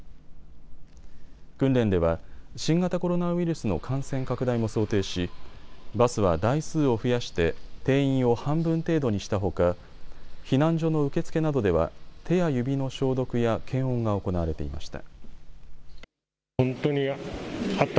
訓練では新型コロナウイルスの感染拡大も想定し、バスは台数を増やして定員を半分程度にしたほか避難所の受付などでは手や指の消毒や検温が行われていました。